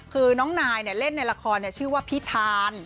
คือน้องนายเล่นในละครชื่อว่าพิธาน